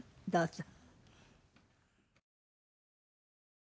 どうぞ。